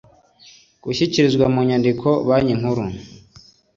gushyikirizwa mu nyandiko Banki Nkuru